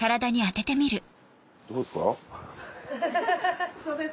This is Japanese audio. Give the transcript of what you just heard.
どうですか？